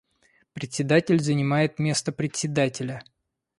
Председатель занимает место Председателя.